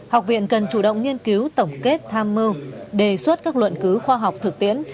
học viện cần chủ động nghiên cứu tổng kết tham mưu đề xuất các luận cứu khoa học thực tiễn